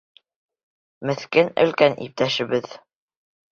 Меҫкен өлкән иптәшебеҙ!